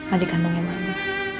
adik kandung yang mama